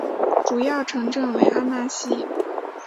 主要城镇为阿讷西。